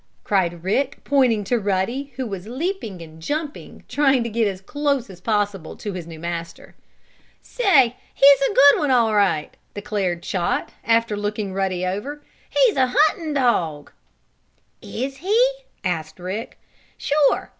cried Rick, pointing to Ruddy, who was leaping and jumping, trying to get as close as possible to his new master. "Say, he's a good one all right!" declared Chot, after looking Ruddy over. "He's a hunting dog!" "Is he?" asked Rick. "Sure!